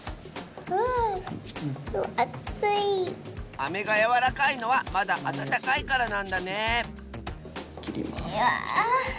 アメがやわらかいのはまだあたたかいからなんだねえきります。